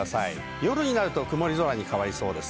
夜になると曇り空に変わりそうです。